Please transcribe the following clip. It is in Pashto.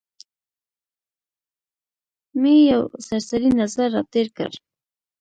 مې یو سرسري نظر را تېر کړ.